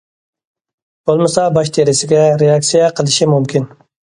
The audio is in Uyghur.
بولمىسا باش تېرىسىگە رېئاكسىيە قىلىشى مۇمكىن.